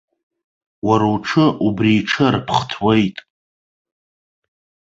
Уара уҽы убри иҽы арԥхҭуеит!